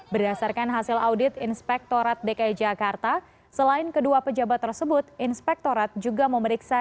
berdasarkan hasil audit inspektorat dki jakarta selain kedua pejabat tersebut inspektorat juga memeriksa